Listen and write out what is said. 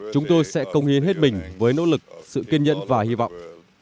chúng tôi sẽ công hiến hết mình với nỗ lực sự kiên nhẫn và hy vọng